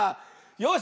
よし。